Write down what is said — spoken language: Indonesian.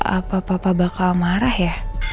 apa papa bakal marah ya